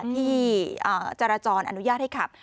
ที่จราจรอนุญาตให้ขับ